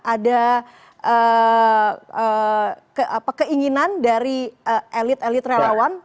ada keinginan dari elit elit relawan